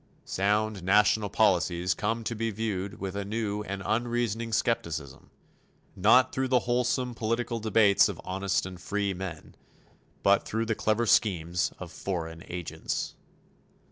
Sound national policies come to be viewed with a new and unreasoning skepticism, not through the wholesome political debates of honest and free men, but through the clever schemes of foreign agents.